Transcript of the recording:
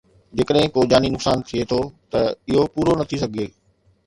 جيڪڏهن ڪو جاني نقصان ٿئي ٿو ته اهو پورو نه ٿي سگهي